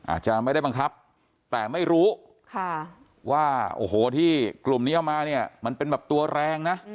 อาจจะไม่ได้บังคับแต่ไม่รู้ว่าโอ้โหที่กลุ่มนี้เอามาเนี่ยมันเป็นแบบตัวแรงนะ